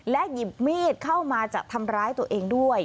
หยิบมีดเข้ามาจะทำร้ายตัวเองด้วย